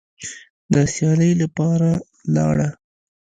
د سیالۍ لپاره لاړه